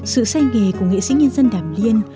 sự say nghề của nghệ sĩ nhân dân đàm liên